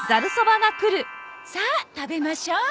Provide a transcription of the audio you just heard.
さあ食べましょう。